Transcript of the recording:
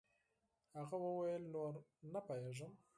هغه وويل نور نه پوهېږم.